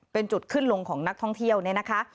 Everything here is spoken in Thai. เป็นจุดขึ้นลงของนักท่องเที่ยวเนี่ยนะคะ